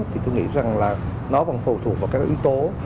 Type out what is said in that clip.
thì tôi nghĩ rằng là nó còn phụ thuộc vào các yếu tố